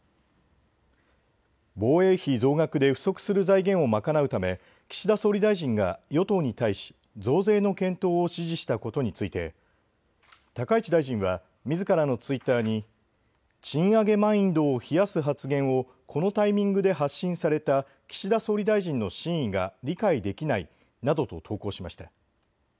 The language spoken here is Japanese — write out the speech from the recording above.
防衛費増額で不足する財源を賄うため、岸田総理大臣が与党に対し増税の検討を指示したことについて高市大臣はみずからのツイッターに賃上げマインドを冷やす発言をこのタイミングで発信された岸田総理大臣の真意が理解できないなどと投稿しました。